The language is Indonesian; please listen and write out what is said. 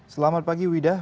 selamat pagi widah